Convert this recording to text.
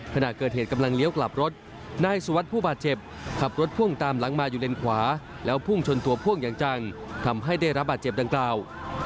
ขณะเกิดเหตุกำลังเลี้ยวกลับรถนายสุวัสดิ์ผู้บาดเจ็บขับรถพ่วงตามหลังมาอยู่เลนขวาแล้วพุ่งชนตัวพ่วงอย่างจังทำให้ได้รับบาดเจ็บดังกล่าว